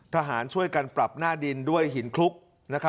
ทหารช่วยกันปรับหน้าดินด้วยหินคลุก